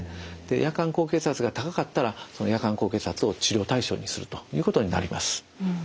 夜間高血圧が高かったら夜間高血圧を治療対象にするということになります。